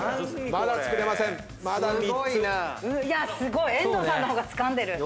すごい！遠藤さんの方がつかんでる。